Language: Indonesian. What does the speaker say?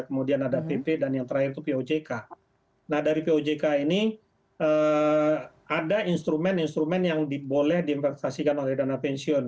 kemudian ada pp dan yang terakhir itu pojk nah dari pojk ini ada instrumen instrumen yang boleh diinvestasikan oleh dana pensiun